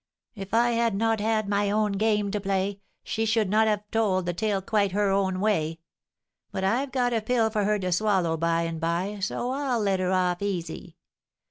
If I had not had my own game to play, she should not have told the tale quite her own way; but I've got a pill for her to swallow by and by, so I'll let her off easy.